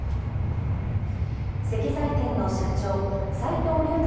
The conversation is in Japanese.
石材店の社長・斎藤竜太